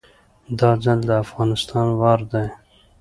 دا ځل د افغانستان وار دی